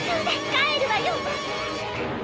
帰るわよ！